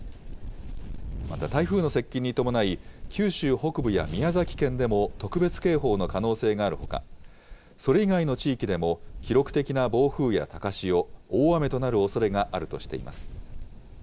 また台風の接近に伴い、九州北部や宮崎県でも特別警報の可能性があるほか、それ以外の地域でも記録的な暴風や高潮、大雨となるおそれがあるとしています。